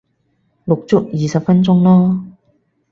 錄足二十分鐘咯